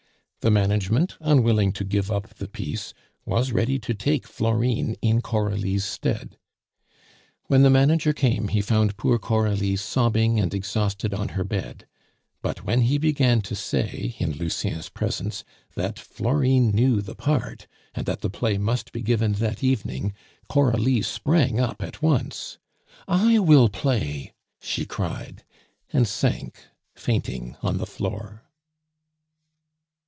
The management, unwilling to give up the piece, was ready to take Florine in Coralie's stead. When the manager came, he found poor Coralie sobbing and exhausted on her bed; but when he began to say, in Lucien's presence, that Florine knew the part, and that the play must be given that evening, Coralie sprang up at once. "I will play!" she cried, and sank fainting on the floor.